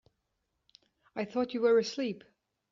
I thought you were asleep.